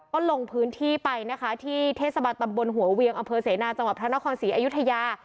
ก็ลงพื้นที่ไปนะคะที่เทศบาลตำบลหัวเวียงอำเภอเสนาจังหวัดพระนครศรีอยุธยา